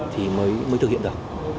thì mới thực hiện được